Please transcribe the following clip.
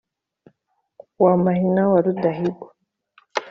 wa mahina wa rudahigwa